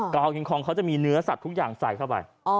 ฮิงคองเขาจะมีเนื้อสัตว์ทุกอย่างใส่เข้าไป